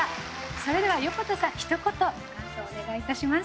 それでは横田さんひと言感想お願いいたします。